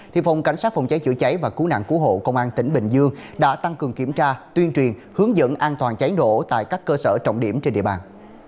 thì phòng cảnh sát phòng cháy chữa cháy và cứu nạn cứu hộ công an tỉnh bình dương đã tăng cường kiểm tra tuyên truyền hướng dẫn an toàn cháy nổ tại các cơ sở trọng điểm trên địa bàn